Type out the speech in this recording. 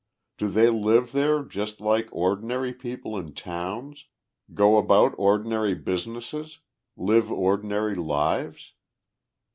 Do they live there just like ordinary people in towns, go about ordinary businesses, live ordinary lives?